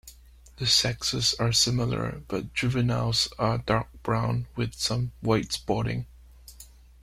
The sexes are similar, but juveniles are dark brown with some white spotting.